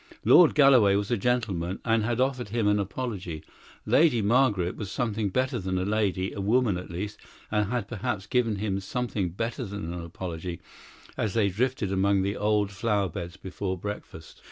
Lord Galloway was a gentleman, and had offered him an apology. Lady Margaret was something better than a lady, a woman at least, and had perhaps given him something better than an apology, as they drifted among the old flowerbeds before breakfast.